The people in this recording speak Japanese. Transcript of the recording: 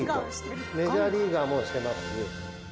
メジャーリーガーもしてますし。